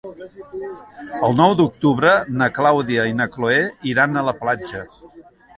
El nou d'octubre na Clàudia i na Cloè iran a la platja.